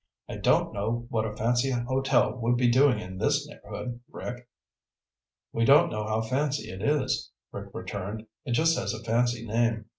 "I don't know what a fancy hotel would be doing in this neighborhood, Rick." "We don't know how fancy it is," Rick returned. "It just has a fancy name.